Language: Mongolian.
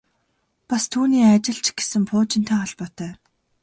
Бас түүний ажил ч гэсэн пуужинтай холбоотой.